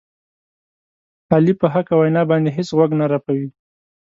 علي په حقه وینا باندې هېڅ غوږ نه رپوي.